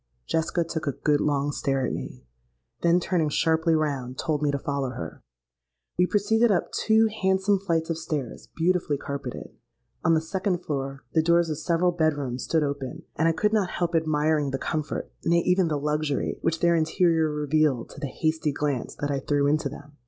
Jessica took a good long stare at me, then turning sharply round, told me to follow her. We proceeded up two handsome flights of stairs, beautifully, carpetted. On the second floor, the doors of several bed rooms stood open; and I could not help admiring the comfort—nay, even the luxury, which their interior revealed to the hasty glance that I threw into them.